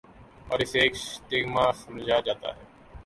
اور اسے ایک سٹیگما سمجھا جاتا ہے۔